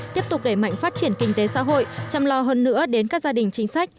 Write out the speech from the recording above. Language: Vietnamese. tiếp tục đẩy mạnh phát triển kinh tế xã hội chăm lo hơn nữa đến các gia đình chính sách